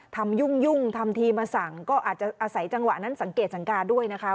ยุ่งทำทีมาสั่งก็อาจจะอาศัยจังหวะนั้นสังเกตสังการด้วยนะคะ